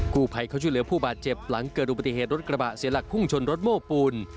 ผู้ภัยเขาช่วยเหลือผู้บาดเจ็บหลังเกิดอุปติเหตุรถกระบะเสียหลักพุ่งชนรถโม้ปูน